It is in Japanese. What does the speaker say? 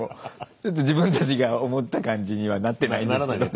「ちょっと自分たちが思った感じにはなってないんですけど」。